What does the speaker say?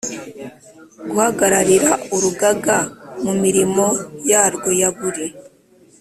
Guhagararira Urugaga mu mirimo yarwo ya buri